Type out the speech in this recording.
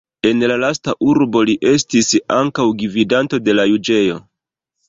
En la lasta urbo li estis ankaŭ gvidanto de la juĝejo.